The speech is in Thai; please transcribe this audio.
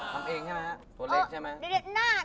ทำเองใช่ไหมฮะตัวเล็กใช่ไหม